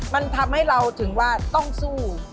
มันทำให้เราถึงว่าต้องสู้